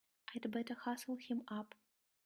I'd better hustle him up!